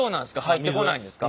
入ってこないんですか？